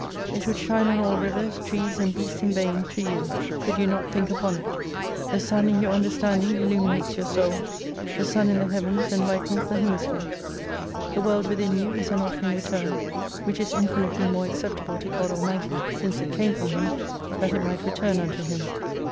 It would shine on all rivers, trees, and beasts in vain to you could you not think upon it. The sixn in your understanding illuminates your soul, the sun in the heavens enlightens the hemi sphere. The world within you is an offering returned, which is infinitely more acceptable to God Almighty, since it came from Him, that it might return unto Him.